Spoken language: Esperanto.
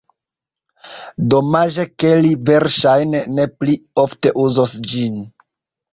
Domaĝe ke li verŝajne ne pli ofte uzos ĝin.